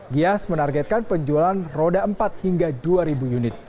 gias menargetkan penjualan roda empat hingga dua ribu unit